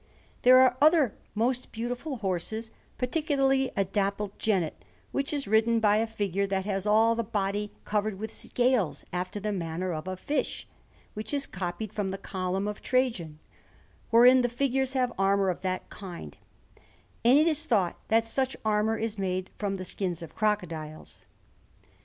There are other most beautiful horses, particularly a dappled jennet, which is ridden by a figure that has all the body covered with scales after the manner of a fish; which is copied from the Column of Trajan, wherein the figures have armour of that kind; and it is thought that such armour is made from the skins of crocodiles.